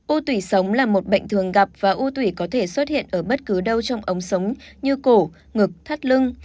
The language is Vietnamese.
ô tủy sống là một bệnh thường gặp và u tủy có thể xuất hiện ở bất cứ đâu trong ống sống như cổ ngực thắt lưng